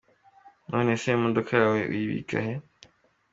Abapolisi : None se imodoka yawe uyibika he?.